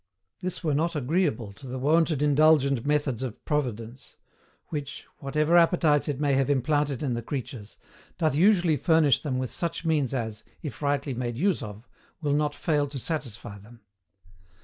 This were not agreeable to the wonted indulgent methods of Providence, which, whatever appetites it may have implanted in the creatures, doth usually furnish them with such means as, if rightly made use of, will not fail to satisfy them.